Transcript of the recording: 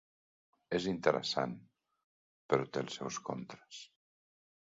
És interessant, però té els seus contres.